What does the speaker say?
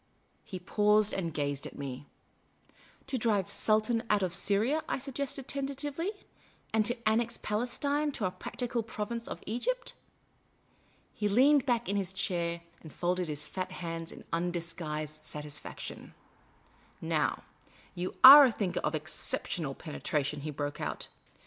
He paused and gazed at me. " To drive the Sultan out of Syria," I suggested tenta tively, " and to annex Palestine to our practical province of Egypt?" He leaned back in his chair and folded his fat hands in undisguised satisfaction, " Now, you are a thinker of ex ceptional penetration," he broke out.